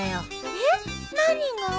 えっ何が？